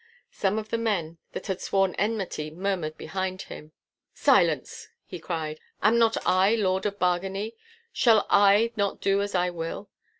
Some of the men that had sworn enmity murmured behind him. 'Silence!' he cried, 'am not I Lord of Bargany? Shall I not do as I will?